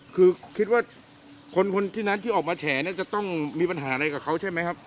คือคิดว่าคนที่นั้นที่ออกมาแฉเนี่ยจะต้องมีปัญหาอะไรกับเขาใช่ไหมครับ